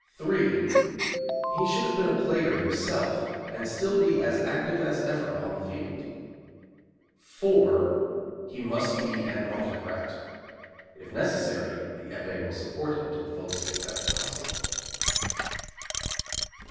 3. He should have been a player himself, and still be as active as ever on the field. 4. He must be an autocrat. (If necessary, the F.A. will support him to the fullest extent possible.)